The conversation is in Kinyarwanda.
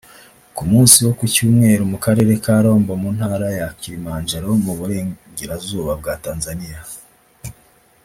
Ku munsi wo ku Cyumweru mu Karere ka Rombo mu Ntara ya Kilimanjaro mu burengerazuba bwa Tanzania